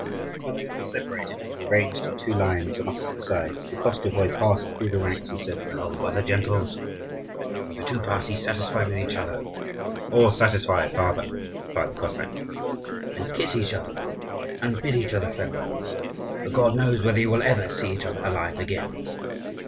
When they had all separated, and were ranged in two lines on opposite sides, the Koschevoi passed through the ranks, and said, "Well, brother gentles, are the two parties satisfied with each other?" "All satisfied, father!" replied the Cossacks. "Then kiss each other, and bid each other farewell; for God knows whether you will ever see each other alive again.